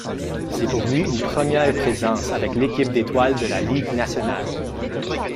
C'est pour lui une première présence avec l'équipe d'étoiles de la Ligue nationale.